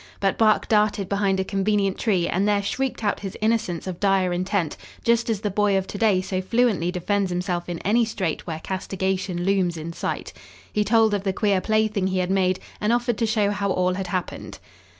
But Bark darted behind a convenient tree and there shrieked out his innocence of dire intent, just as the boy of to day so fluently defends himself in any strait where castigation looms in sight. He told of the queer plaything he had made, and offered to show how all had happened.